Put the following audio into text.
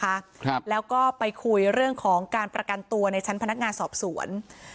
ครับแล้วก็ไปคุยเรื่องของการประกันตัวในชั้นพนักงานสอบสวน